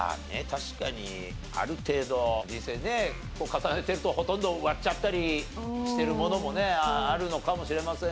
確かにある程度人生ね重ねてるとほとんど割っちゃったりしてるものもねあるのかもしれませんが。